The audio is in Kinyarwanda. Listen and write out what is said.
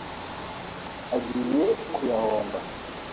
agiye kuyahomba